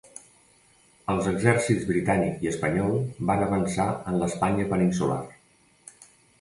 Els exèrcits britànic i espanyol van avançar en l'Espanya peninsular.